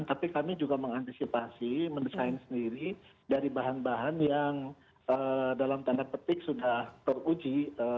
tapi kami juga mengantisipasi mendesain sendiri dari bahan bahan yang dalam tanda petik sudah teruji